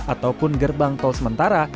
ataupun gerbang tol sementara